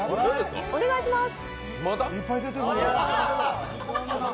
お願いします。